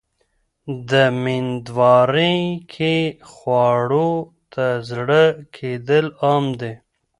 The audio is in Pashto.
په مېندوارۍ کې خواړو ته زړه کېدل عام دي.